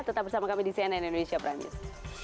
tetap bersama kami di cnn indonesia prime news